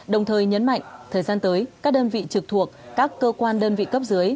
đồng thời nhấn mạnh thời gian tới các đơn vị trực thuộc các cơ quan đơn vị cấp dưới